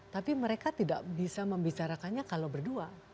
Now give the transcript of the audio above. tapi mereka tidak bisa membicarakannya kalau berdua